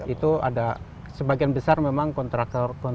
itu ada sebagian besar memang kontraktor kontraktor lain